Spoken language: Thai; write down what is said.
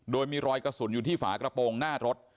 โดยมีรอยกระสุนอยู่ที่ฝากระโปรงหน้ารถ